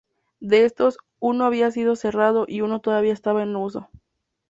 De estos, uno había sido cerrado y uno todavía estaba en uso.